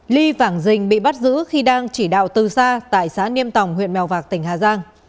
ly vảng dình bị bắt giữ khi đang chỉ đạo từ xa tại xã niêm tòng huyện mèo vạc tỉnh hà giang